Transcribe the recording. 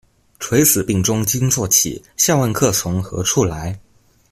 垂死病中驚坐起，笑問客從何處來